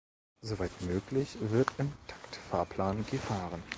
Soweit möglich, wird im Taktfahrplan gefahren.